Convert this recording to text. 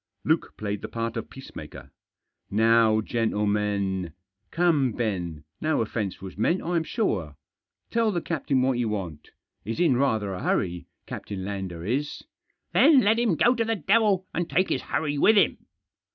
Luke played the part of peacemaker. "Now, gentlemen! Come, Ben, no offence was meant, I'm sure. Tell the captain what you want. He's in rather a hurry, Captain Lander is." Digitized by 250 THE JOSS. " Then let him go to the devil, and take his hurry with him."